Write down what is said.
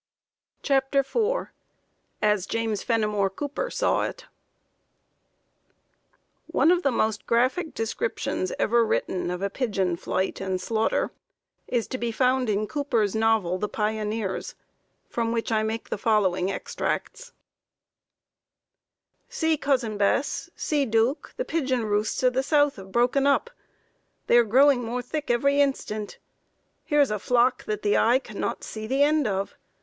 CHAPTER IV As James Fenimore Cooper Saw It One of the most graphic descriptions ever written of a pigeon flight and slaughter is to be found in Cooper's novel, "The Pioneers," from which I make the following extracts: "See, cousin Bess! see, Duke, the pigeon roosts of the south have broken up! They are growing more thick every instant. Here is a flock that the eye cannot see the end of.